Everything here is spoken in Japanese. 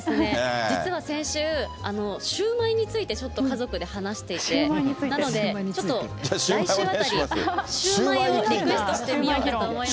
実は先週、シューマイについてちょっと家族で話していて、なので、ちょっと来週あたり、シューマイをリクエストしてみようかと思います。